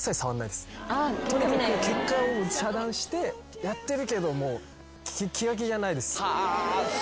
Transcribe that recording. とにかく結果を遮断してやってるけどもう気が気じゃないです。